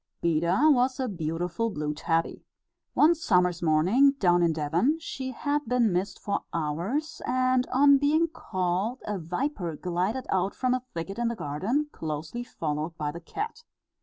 Beda was a beautiful blue tabby. One summer's morning, down in Devon, she had been missed for hours, and on being called, a viper glided out from a thicket in the garden, closely followed by the cat.